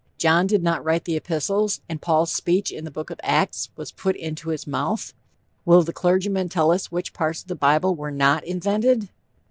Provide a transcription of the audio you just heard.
John did not write the epistles, and Paul's speech in the Book of Acts was put into his mouth! Will the clergyman tell us which parts of the bible are not invented?